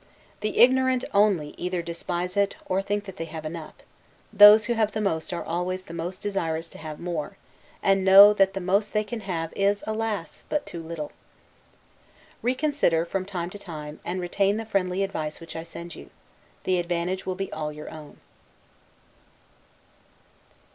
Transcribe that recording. The ignorant only, either despise it, or think that they have enough: those who have the most are always the most desirous to have more, and know that the most they can have is, alas! but too little. Reconsider, from time to time, and retain the friendly advice which I send you. The advantage will be all your own.